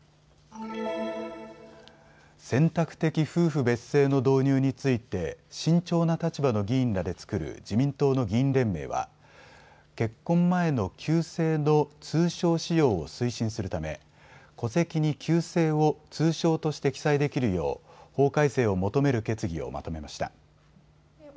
選択的夫婦別姓の導入について慎重な立場の議員らで作る自民党の議員連盟は結婚前の旧姓の通称使用を推進するため戸籍に旧姓を通称として記載できるよう法改正を求める決議をまとめました。